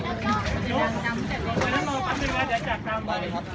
นู้ใส่พิมพ์สีขาว